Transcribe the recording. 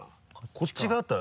こっち側だったら。